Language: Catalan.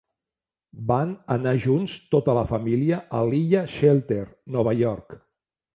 Van anar junts, tota la família, a l'illa Shelter, Nova York.